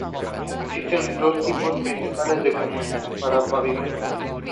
Abu Shama ca.